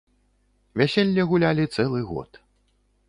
Вяселле гулялі цэлы год.